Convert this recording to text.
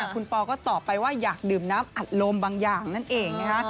คุณปอก็ตอบไปว่าอยากดื่มน้ำอัดลมบางอย่างนั่นเองนะคะ